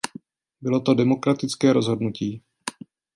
Bylo to demokratické rozhodnutí.